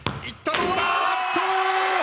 どうだ！？